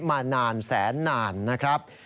มานานแสนนานนะครับ